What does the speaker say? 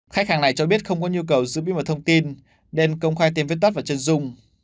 khách hàng này cho biết không có nhu cầu giữ bí mật thông tin nên công khai tiền viết tót vào chân dung